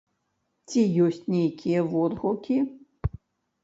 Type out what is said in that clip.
Ці ёсць нейкія водгукі?